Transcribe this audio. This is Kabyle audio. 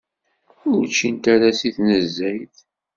Ur ččint ara seg tnezzayt.